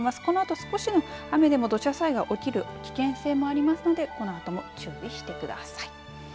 このあと少しの雨でも土砂災害が起きる危険性もありますのでこのあとも注意してください。